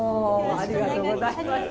ありがとうございます。